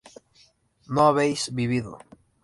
no habéis vivido